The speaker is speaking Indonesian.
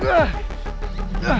gue lagi cari pangeran